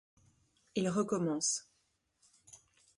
Il recommence.